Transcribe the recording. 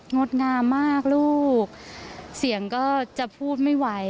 งดงามมากลูกเสียงก็จะพูดไม่ไหว